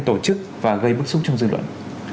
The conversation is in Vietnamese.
tổ chức và gây bức xúc trong dự luận